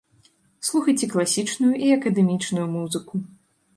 Слухайце класічную і акадэмічную музыку.